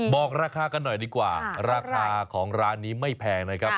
บอกราคากันหน่อยดีกว่าราคาของร้านนี้ไม่แพงนะครับ